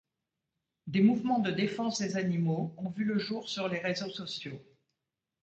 Des mouvements de défense des animaux ont vu le jour sur les réseaux sociaux.